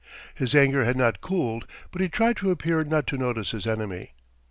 His anger had not cooled, but he tried to appear not to notice his enemy.